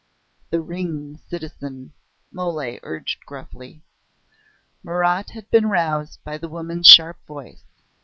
"The ring, citizen," Mole urged gruffly. Marat had been roused by the woman's sharp voice.